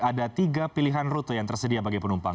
ada tiga pilihan rute yang tersedia bagi penumpang